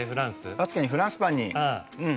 確かにフランスパンにうん。